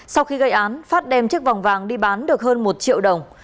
sau khi gây án phát đem chiếc vòng vàng đi bán được hơn một triệu đồng